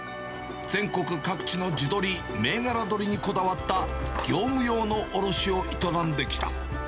全国各地の地鶏、銘柄鶏にこだわった、業務用の卸を営んできた。